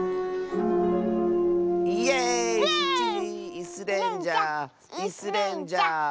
イスレンジャーイスレンジャー！